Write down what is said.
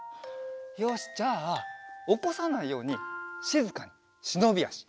よしじゃあおこさないようにしずかにしのびあし。